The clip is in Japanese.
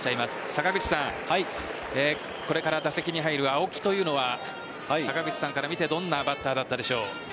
坂口さん、これから打席に入る青木というのは坂口さんから見てどんなバッターだったでしょう？